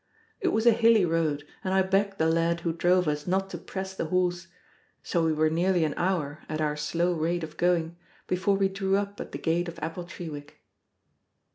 It was a hilly road, and I begged the lad who drove us not to press the horse; so we were nearly an hour, at our slow rate of going, before we drew up at the gate of Appletreewick.